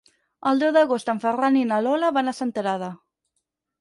El deu d'agost en Ferran i na Lola van a Senterada.